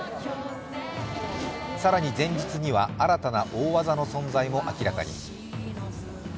更に、前日には新たな大技の存在も明らかに。